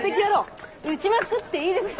打ちまくっていいですか？